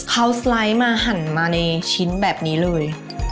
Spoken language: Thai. เขาสไลด์มาหั่นมาในชิ้นแบบนี้เลย